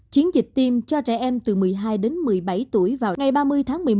chiến dịch tiêm cho trẻ em từ một mươi hai đến một mươi bảy tuổi vào ngày ba mươi tháng một mươi một